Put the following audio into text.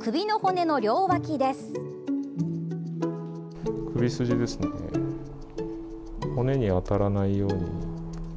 骨に当たらないように。